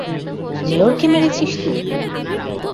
মেয়রকে মেরেছিস তুই?